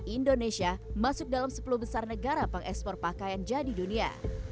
indonesia masuk dalam sepuluh besar negara pengekspor pakaian jadi dunia